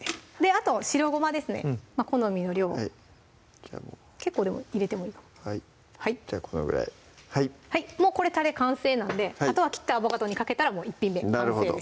あと白ごまですねまぁ好みの量結構入れてもいいかもはいじゃあこのぐらいもうこれたれ完成なんであとは切ったアボカドにかけたらもう１品目完成です